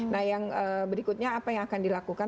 nah yang berikutnya apa yang akan dilakukan